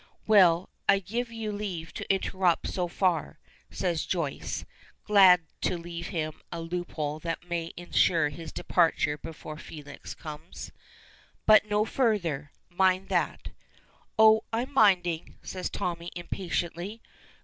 "Well, I give you leave to interrupt so far," says Joyce, glad to leave him a loop hole that may insure his departure before Felix comes. "But no further mind that." "Oh, I'm minding!" says Tommy, impatiently.